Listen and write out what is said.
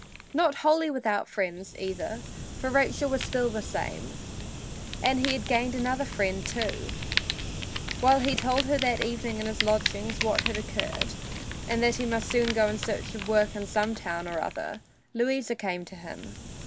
Not wholly without friends, either, for Rachel was still the same. And he had gained another friend, too. While he told her that evening in his lodgings what had occurred, and that he must soon go in search of work in some other town, Louisa came to him.